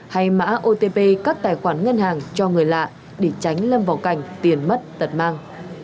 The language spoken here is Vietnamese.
hay mã otp các tài khoản ngân hàng cho người lạ để tránh lâm vào cảnh tiền mất tật mang